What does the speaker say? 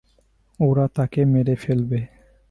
ওরা তাকে মেরে ফেলবে।